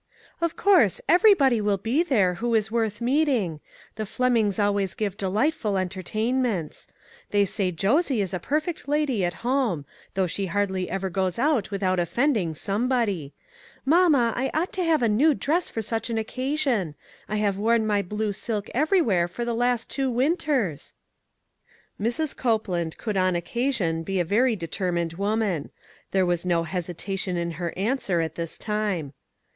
"Of course, everybody will be there who is worth meeting. The Flemings always give delightful entertainments. They say Josie ia a perfect lady at home ; though she hardly ever goes out without offending somebody. Mamma, I ought to have a new dress for 242 ENGAGEMENTS. 243 such an occasion. I have worn my blue silk everywhere for the last two winters." Mrs. Copeland could on occasion be a very determined woman ; there was no hesitation in her answer at this time.